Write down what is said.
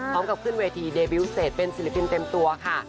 พร้อมกับขึ้นเวทีเดบิวเซตเป็นศิลปินเต็มตัวค่ะ